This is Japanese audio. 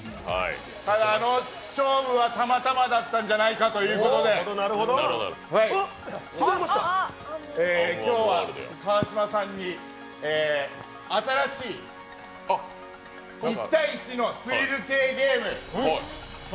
ただ、あの勝負はたまたまだったんじゃないかということで、今日は、川島さんに新しい一対一の「スリル」系ゲーム。